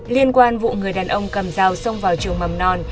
liên quan vụ người đàn ông cầm dao xông vào trường mầm non